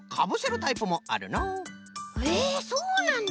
へえそうなんだ。